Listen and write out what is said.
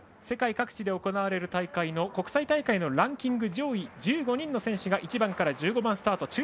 世界各地で行われる大会の国際大会のランキング上位１５人の選手が１番から１５番スタート。